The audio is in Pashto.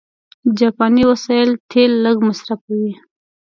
جاپاني وسایل تېل لږ مصرفوي.